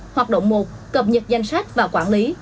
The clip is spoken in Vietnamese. hoạt động một cập nhật danh sách và quản lý